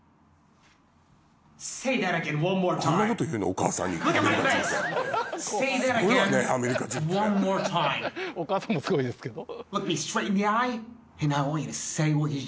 お母さんもすごいですけど。